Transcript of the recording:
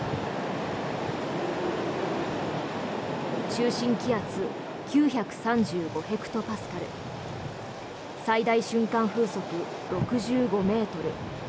中心気圧９３５ヘクトパスカル最大瞬間風速６５ｍ。